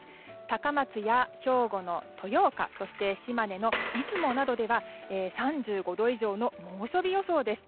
高松や兵庫の豊岡島根の出雲などでは３５度以上の猛暑日予想です。